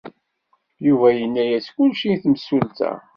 Yuba yenna-as kullec i temsulta.